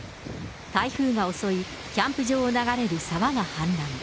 台風が襲い、キャンプ場を流れる沢が氾濫。